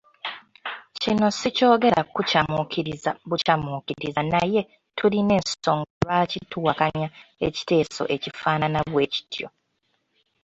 Kino sikyogera kukyamuukiriza bukyamuukiriza naye tulina ensonga lwaki tuwakanya ekiteeso ekifaanana bwekityo.